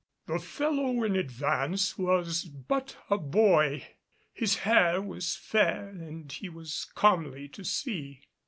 The fellow in advance was but a boy; his hair was fair and he was comely to see.